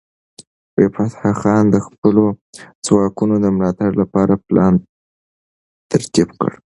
فتح خان د خپلو ځواکونو د ملاتړ لپاره پلان ترتیب کړ.